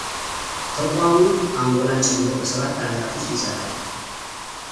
ተቋሙ አንጎላን ጨምሮ በሰባ አገራት ውስጥ ይሰራል።